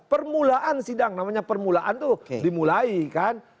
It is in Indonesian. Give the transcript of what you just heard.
permulaan sidang namanya permulaan itu dimulai kan